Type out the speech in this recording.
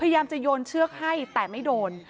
โดยโยนเชือกให้แต่ไม่โดน